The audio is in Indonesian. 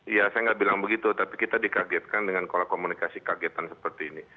iya saya nggak bilang begitu tapi kita dikagetkan dengan pola komunikasi kagetan seperti ini